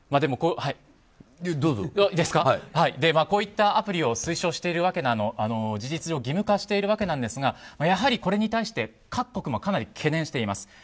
こういったアプリを事実上義務化しているわけですがやはり、これに対して各国もかなり懸念しています。